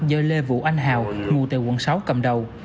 do lê vũ anh hào ngụ tại quận sáu cầm đầu